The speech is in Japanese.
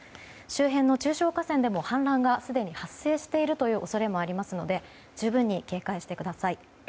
周辺の中小河川でもすでに氾濫が発生している恐れもありますので十分に警戒してください。